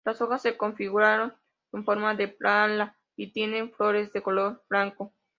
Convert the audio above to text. Las hojas se configuran en forma de pala y tiene flores de color blanco.